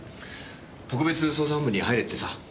特別捜査本部に入れってさ。